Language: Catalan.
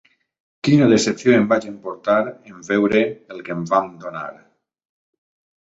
Quina decepció em vaig emportar en veure el que em van donar